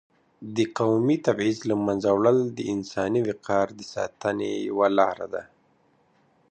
د قومي تبعیض له منځه وړل د انساني وقار د ساتنې یوه لار ده.